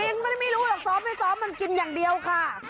ลิงฯไม่ใช่ไม่รู้ซ้อมไม่ซ้อมทุกคนมันกินอย่างเดียวค่ะ